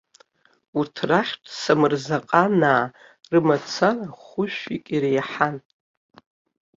Урҭ рахьтә самырзаҟанаа рымацара хәышә-ҩык иреиҳан.